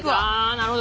なるほど。